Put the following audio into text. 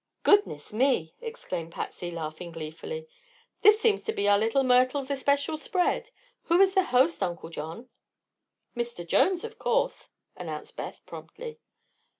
"Goodness me!" exclaimed Patsy, laughing gleefully. "This seems to be our little Myrtle's especial spread. Who is the host, Uncle John?" "Mr. Jones, of course," announced Beth, promptly.